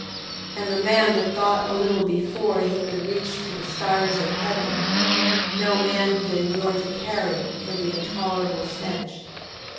9:10. And the man that thought a little before he could reach to the stars of heaven, no man could endure to carry, for the intolerable stench.